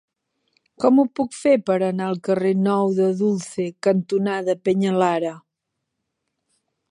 Com ho puc fer per anar al carrer Nou de Dulce cantonada Peñalara?